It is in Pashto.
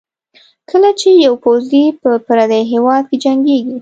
کله چې یو پوځي په پردي هېواد کې جنګېږي.